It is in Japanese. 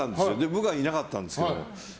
僕はいなかったんですけど。